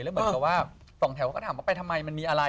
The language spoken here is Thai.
แล้วเหมือนกับว่าสองแถวเขาก็ถามว่าไปทำไมมันมีอะไร